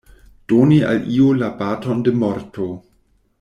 Doni al iu la baton de morto.